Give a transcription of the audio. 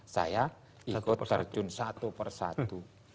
saya ikut terjun satu persatu